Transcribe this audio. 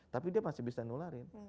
tapi dia masih bisa nularin